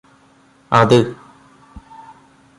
അത്